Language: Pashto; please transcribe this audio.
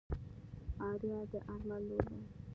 آريا د آرمل لور ده.